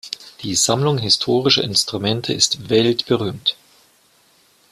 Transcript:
Die Sammlung historischer Instrumente ist weltberühmt.